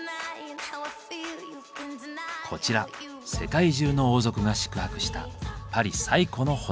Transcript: こちら世界中の王族が宿泊したパリ最古のホテル。